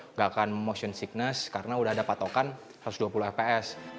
nggak akan motion signess karena udah ada patokan satu ratus dua puluh fps